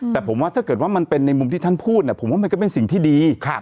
แต่ผมว่าถ้าเกิดว่ามันเป็นในมุมที่ท่านพูดผมว่ามันก็เป็นสิ่งที่ดี